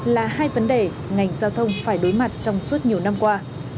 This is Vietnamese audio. là hai vấn đề ngành giao thông phải đối mặt trong suốt nhiều năm qua